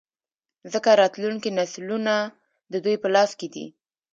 ځـکـه راتـلونکي نـسلونه د دوي پـه لاس کـې دي.